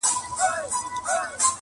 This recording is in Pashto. • د لېوه بچی آخر د پلار په خوی سي -